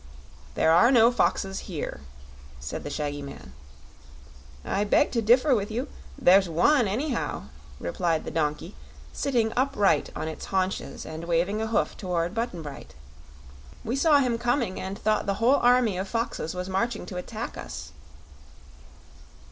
"There are no foxes here," said the shaggy man. "I beg to differ with you. There's one, anyhow," replied the donkey, sitting upright on its haunches and waving a hoof toward Button Bright. "We saw him coming and thought the whole army of foxes was marching to attack us."